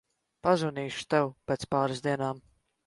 Pazvanīšu tev pēc pāris dienām.